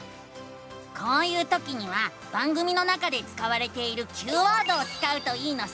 こういうときには番組の中で使われているＱワードを使うといいのさ！